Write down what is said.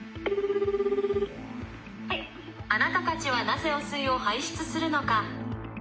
あなたたちはなぜ汚水を排出するのか。